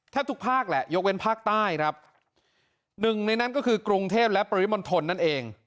ทุกภาคแหละยกเว้นภาคใต้ครับหนึ่งในนั้นก็คือกรุงเทพและปริมณฑลนั่นเอง